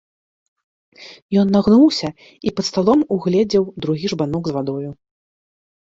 Ён нагнуўся і пад сталом угледзеў другі жбанок з вадою.